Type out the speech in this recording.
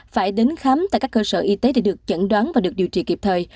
phải đến khám tại các cơ sở y tế để được chẩn đoán và được điều trị kịp thời